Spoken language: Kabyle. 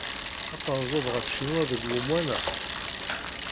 Ad terzuḍ ɣef Ccinwa deg wemwan-a?